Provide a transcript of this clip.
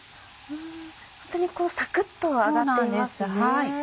ホントにサクっと揚がっていますよね。